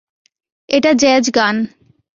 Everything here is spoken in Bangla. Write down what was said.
এটা জ্যাজ গান!